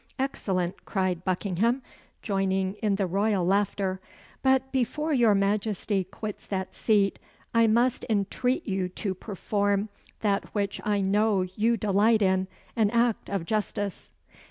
"Excellent!" cried Buckingham, joining in the royal laughter; "but before your Majesty quits that seat, I must entreat you to perform that which I know you delight in an act of justice."